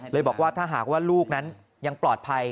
บอกว่าถ้าหากว่าลูกนั้นยังปลอดภัย